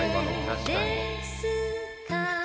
「確かに」